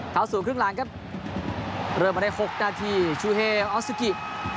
เข้าสู่ครึ่งหลังครับเริ่มมาได้๖นาทีชูเฮออสซิกิ